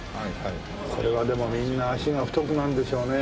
これはでもみんな脚が太くなるんでしょうね。